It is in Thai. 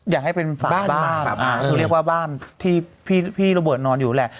อยากให้เป็นบ้านคือเรียกว่าบ้านที่พี่โรเบิร์ตนอนอยู่แหละ